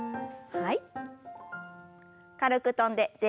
はい。